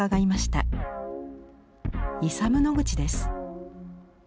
イサム・ノグチです。